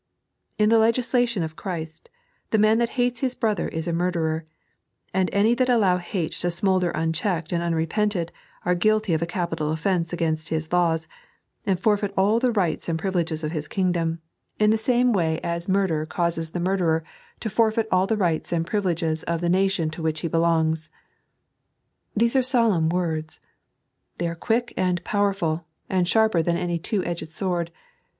In the legislation of Ciirist, the man that hates his brother is a murderer, and any that allow hate to smoulder unchecked and uurepented of are guilty of a capital offence against His laws, and forfeit all the rights and privileges of His Kingdom, in the same way as murder 3.n.iized by Google Automatic Penalty. 55 causes the murderer to forfeit all the rights and privileges of the nation, to which he belongs. These are solemn words. They are quick and powerful, and sharper than any two edged sword.